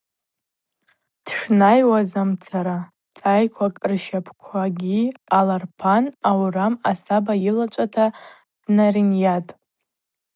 Дшнайуазымцара цӏайквакӏ рщапӏквагьи аларпан аурам асаба йылачӏвата днарынйатӏ.